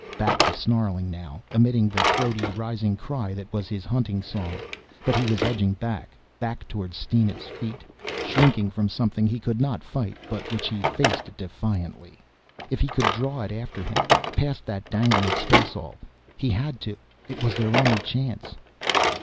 Bat was snarling now, emitting the throaty rising cry that was his hunting song. But he was edging back, back toward Steena's feet, shrinking from something he could not fight but which he faced defiantly. If he could draw it after him, past that dangling spaceall.... He had to it was their only chance.